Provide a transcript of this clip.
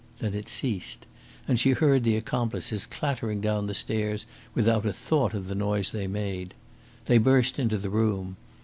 Then it ceased, and she heard the accomplices clattering down the stairs without a thought of the noise they made. They burst into the room.